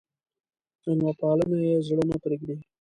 مېلمه پالنه يې زړه نه پرېږدي.